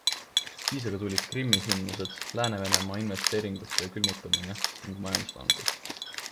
Siis aga tulid Krimmi sündmused, lääne Venemaa-investeeringute külmutamine ning majanduslangus.